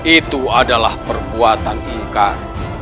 itu adalah perbuatan ingkar